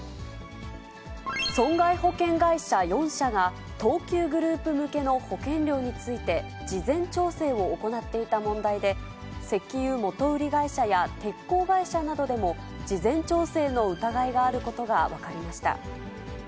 損害保険会社４社が、東急グループ向けの保険料について、事前調整を行っていた問題で、石油元売り会社や鉄鋼会社などでも事前調整の疑いがあることが分かりました。